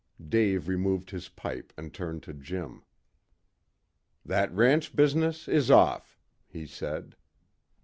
Dave removed his pipe and turned to Jim. "That ranch business is off," he said.